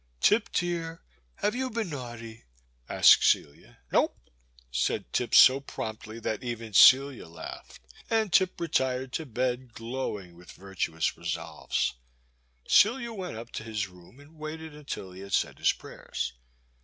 Tip, dear, have you been naughty ?" asked Celia. Nope," said Tip so promptly that even Celia laughed, and Tip retired to bed, glowing with virtuous resolves. Celia went up to his room and waited until he had said his prayers.